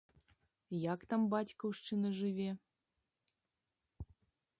Як там бацькаўшчына жыве?